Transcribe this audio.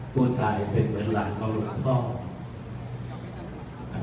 ผู้ตายเป็นเหมือนหลานของลูกพ่อ